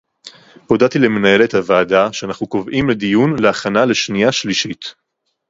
הודעתי למנהלת הוועדה שאנחנו קובעים דיון להכנה לשנייה שלישית